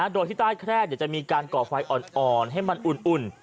โดยที่ใต้แคร่จะมีการก่อไฟอ่อนให้มันอุ่น